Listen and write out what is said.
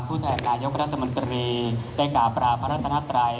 ผู้แทนรายกรรมรัฐมนตรีได้กราบราวพระรัฐนัตรัย